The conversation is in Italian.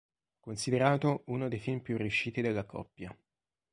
Considerato uno dei film più riusciti della coppia.